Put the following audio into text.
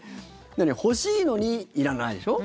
欲しいのにいらないでしょ？